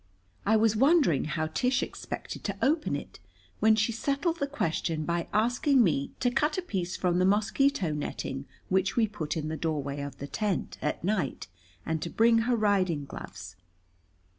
I was wondering how Tish expected to open it, when she settled the question by asking me to cut a piece from the mosquito netting which we put in the doorway of the tent at night, and to bring her riding gloves.